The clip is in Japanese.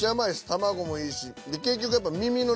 卵もいいし。